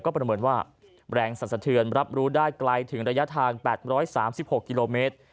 ประเมินว่าแรงสันสะเทือนรับรู้ได้ไกลถึงระยะทาง๘๓๖กิโลเมตร